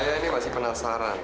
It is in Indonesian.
saya ini masih penasaran